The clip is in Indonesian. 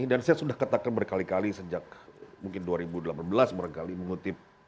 dan saya sudah katakan berkali kali sejak mungkin dua ribu delapan belas berkali mengutip